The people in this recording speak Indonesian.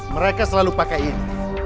mereka selalu pakai ini